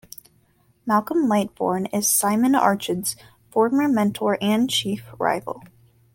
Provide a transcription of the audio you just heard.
Malcolm Lightbourne is Simon Archard's former mentor and chief rival.